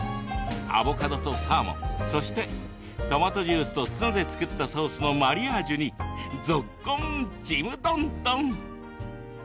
アボカドとサーモンそしてトマトジュースとツナで作ったソースのマリアージュにぞっこん、ちむどんどん。